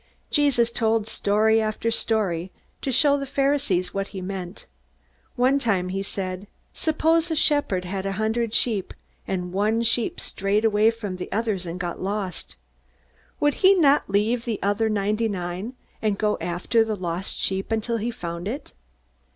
Jesus told story after story, to show the Pharisees what he meant. One time he said: "Suppose a shepherd had a hundred sheep, and one sheep strayed away from the others and got lost. Would he not leave the other ninety nine, and go after the lost sheep until he found it?